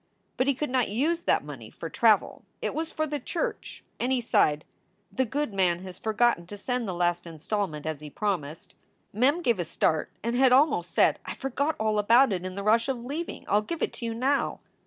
But he could not use that money for travel; it was for the church, and he sighed, "The good man has forgotten to send the last installment as he promised." Mem gave a start and had almost said: "I forgot all about it in the rush of leaving. I ll give it to you now."